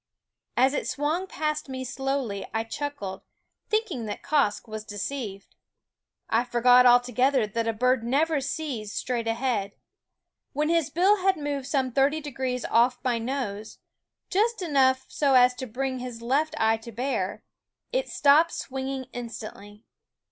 As it swung past me slowly I chuckled, thinking that Quoskh was deceived. I forgot altogether that a bird never sees straight ahead. When his bill had moved some thirty degrees off my nose, just enough so as to bring his left eye to bear, it stopped swinging instantly.